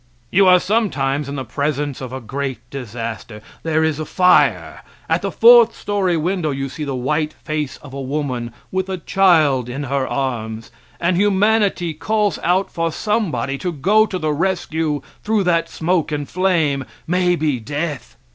You are sometimes in the presence of a great disaster; there is a fire; at the fourth story window you see the white face of a woman with a child in her arms, and humanity calls out for somebody to go to the rescue through that smoke and flame, maybe death.